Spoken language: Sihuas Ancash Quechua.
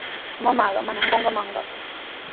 Mamaaqa manami qunqamanku.